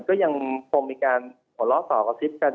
ก็ยังคงมีการขอเลาะต่อกับทิศกัน